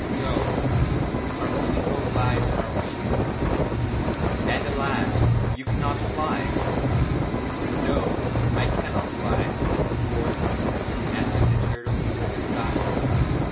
No, our only hope lies in our wings and, alas! you cannot fly!' 'No, I cannot fly, of course,' answered the turtle, with a sigh.